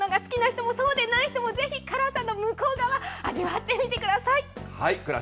からいものが好きな人もそうでない人も、ぜひ辛さの向こう側、味わってみてください。